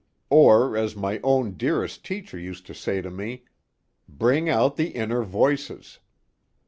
Or as my own dearest teacher used to say to me: "Bring out the inner voices."